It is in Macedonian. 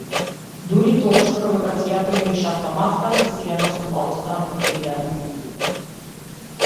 Дури тогаш провокацијата им беше автоматска, засилена со младоста на куклите.